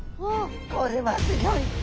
これはすギョい。